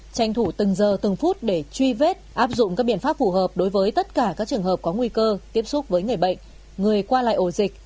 tranh thủ từng giờ từng phút để truy vết áp dụng các biện pháp phù hợp đối với tất cả các trường hợp có nguy cơ tiếp xúc với người bệnh người qua lại ổ dịch